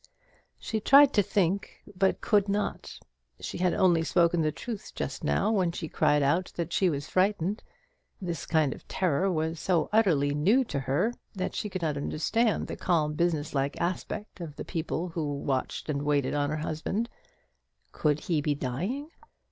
She tried to think, but could not. She had only spoken the truth just now, when she cried out that she was frightened. This kind of terror was so utterly new to her that she could not understand the calm business like aspect of the people who watched and waited on her husband. Could he be dying?